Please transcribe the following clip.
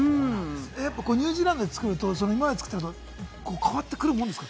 ニュージーランドで作ると、今まで作ってるのと変わってくるものですか？